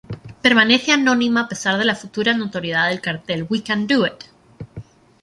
Permanece anónima a pesar de la futura notoriedad del cartel "We Can Do It!